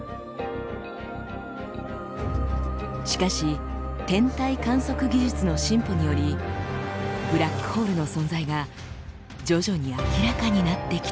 しかし天体観測技術の進歩によりブラックホールの存在が徐々に明らかになってきたのです。